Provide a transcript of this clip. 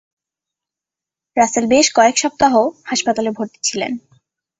রাসেল বেশ কয়েক সপ্তাহ হাসপাতালে ভর্তি ছিলেন।